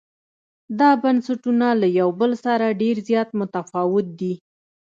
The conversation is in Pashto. دا بنسټونه له یو بل سره ډېر زیات متفاوت دي.